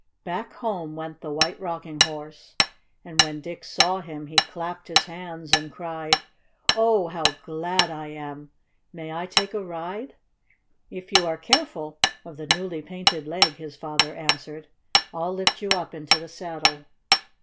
Back home went the White Rocking Horse. And when Dick saw him he clapped his hands and cried: "Oh, how glad I am! May I take a ride?" "If you are careful of the newly painted leg," his father answered. "I'll lift you up into the saddle."